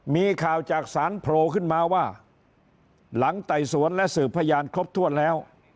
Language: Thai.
มีข่าวจากสารโผล่ขึ้นมาว่าหลังไต่สวนและสืบพยานครบถ้วนแล้ว